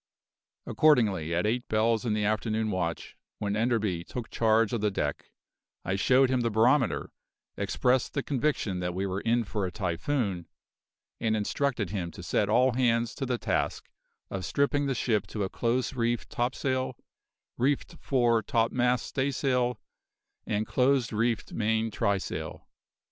Accordingly, at eight bells in the afternoon watch, when Enderby took charge of the deck, I showed him the barometer, expressed the conviction that we were in for a typhoon, and instructed him to set all hands to the task of stripping the ship to a close reefed topsail, reefed fore topmast staysail, and close reefed main trysail.